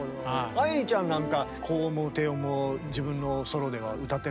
愛理ちゃんなんか高音も低音も自分のソロでは歌ってらっしゃるもんね。